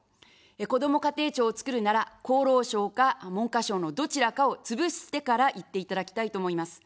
こども家庭庁をつくるなら、厚労省か文科省のどちらかをつぶしてからいっていただきたいと思います。